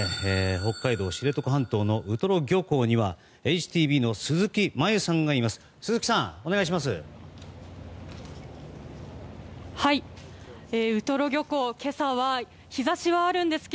北海道知床半島のウトロ漁港にはＨＴＢの鈴木麻友さんがいます。